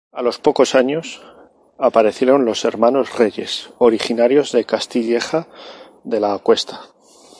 A los pocos años, aparecieron Los hermanos Reyes, originarios de Castilleja de la Cuesta.